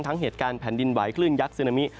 เหตุการณ์แผ่นดินไหวคลื่นยักษึนามิ